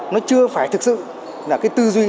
nó chưa phải thực sự là cái tư duy